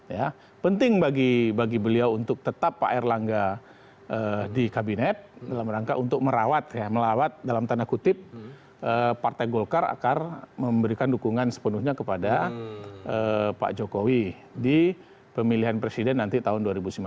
ya penting bagi beliau untuk tetap pak erlangga di kabinet dalam rangka untuk merawat ya merawat dalam tanda kutip partai golkar akan memberikan dukungan sepenuhnya kepada pak jokowi di pemilihan presiden nanti tahun dua ribu sembilan belas